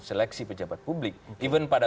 seleksi pejabat publik even pada